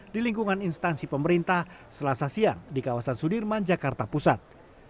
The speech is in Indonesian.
di lingkungan instansi pemerintah selasa siang di kawasan sudirman jakarta pusat